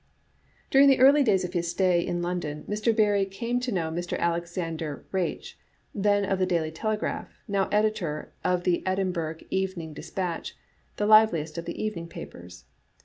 During the earlier days of his stay in London, Mr. Barrie came to know Mr. Alexander Riach, then of the Daily Telegraphy now editor of the Edinburgh Evening Dispatchy the liveliest of evening papers.